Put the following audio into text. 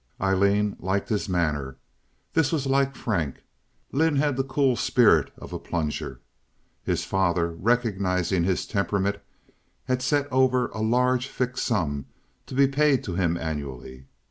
Aileen liked his manner. This was like Frank. Lynde had the cool spirit of a plunger. His father, recognizing his temperament, had set over a large fixed sum to be paid to him annually.